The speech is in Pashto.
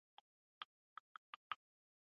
محصلین د با کیفیته علم حاصلولو ارمان لري.